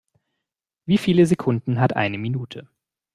Wie viele Sekunden hat eine Minute?